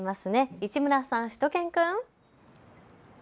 市村さん、しゅと犬くん。